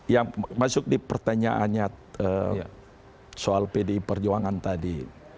yang masuk di pertanyaannya soal pdi perjuangan tadi